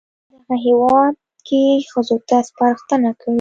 په دغه هېواد کې ښځو ته سپارښتنه کړې